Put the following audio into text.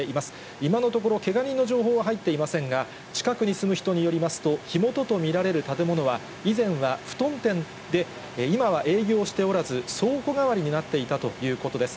今のところ、けが人の情報は入っていませんが、近くに住む人によりますと、火元と見られる建物は、以前はふとん店で、今は営業しておらず、倉庫代わりになっていたということです。